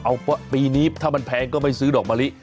เอาปีนี้ถ้ามันแพงก็ไม่ซื้อดอกมะลิ